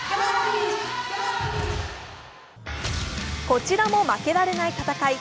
こちらも負けられない戦い。